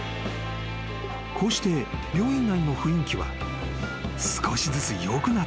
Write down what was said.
［こうして病院内の雰囲気は少しずつよくなっていった］